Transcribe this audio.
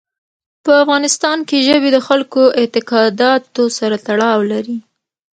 په افغانستان کې ژبې د خلکو اعتقاداتو سره تړاو لري.